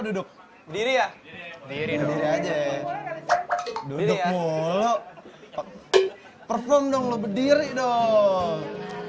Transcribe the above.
duduk diri ya diri aja duduk mulu perform dong lu berdiri dong